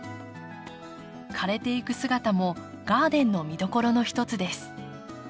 枯れていく姿もガーデンの見どころの一つです。